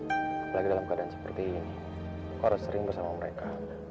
apalagi dalam keadaan seperti ini harus sering bersama mereka